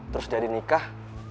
terus jadi nikah